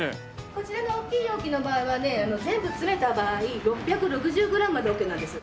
こちらの大きい容器の場合はね全部詰めた場合６６０グラムまでオッケーなんです。